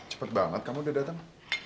cepat banget kamu udah datang